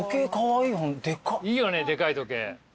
いいよねでかい時計。